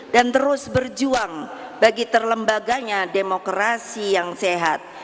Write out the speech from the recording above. dan terus berjuang bagi terlembaganya demokrasi yang sehat